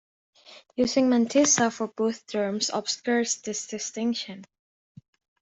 Using "mantissa" for both terms obscures this distinction.